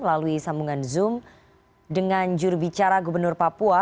melalui sambungan zoom dengan jurubicara gubernur papua